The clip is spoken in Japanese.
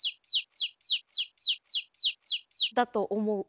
だと思う。